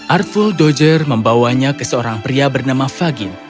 artful doge membawanya ke seorang pria bernama fagin